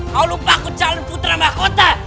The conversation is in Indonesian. kau lupa aku calon putra mahkota